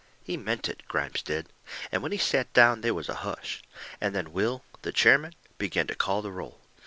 He meant it, Grimes did. And when he set down they was a hush. And then Will, the chairman, begun to call the roll.